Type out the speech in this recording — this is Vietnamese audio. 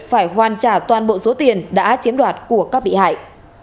phải hoàn trả toàn bộ số tiền đã chiếm đoạt của các bị hại